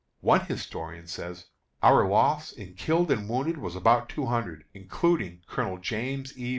One historian says, "Our loss in killed and wounded was about two hundred, including Colonel James E.